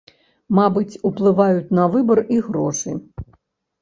Мабыць, уплываюць на выбар і грошы.